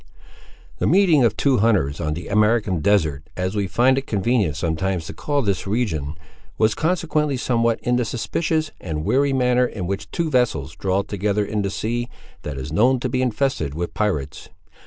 The meeting of two hunters on the American desert, as we find it convenient sometimes to call this region, was consequently somewhat in the suspicious and wary manner in which two vessels draw together in a sea that is known to be infested with pirates.